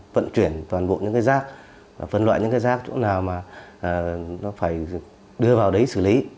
vận chuyển toàn bộ những cái rác phân loại những cái rác chỗ nào mà nó phải đưa vào đấy xử lý